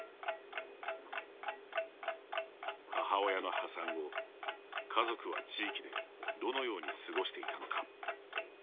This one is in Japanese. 母親の破産後、家族は地域でどのように過ごしていたのか。